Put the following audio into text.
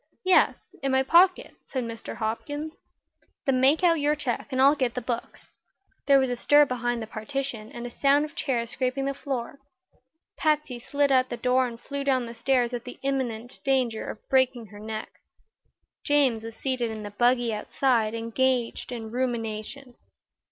"Yes; in my pocket," said Mr. Hopkins. "Then make out your check and I'll get the books." There was a stir behind the partition and a sound of chairs scraping the floor. Patsy slid out the door and flew down the stairs at the imminent danger of breaking her neck. James was seated in the buggy outside, engaged in rumination.